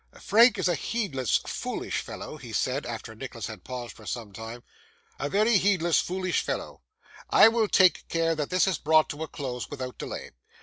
'Frank is a heedless, foolish fellow,' he said, after Nicholas had paused for some time; 'a very heedless, foolish fellow. I will take care that this is brought to a close without delay.